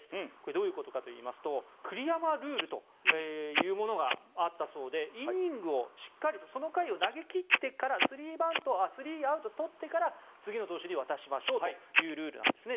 どういうことかといいますと栗山ルールというものがあったそうでイニングその回を投げ切ってからスリーアウトをとってから次の投手に渡しましょうというルールなんですね。